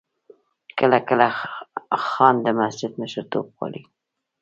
کله کله خان د مسجد مشرتوب غواړي.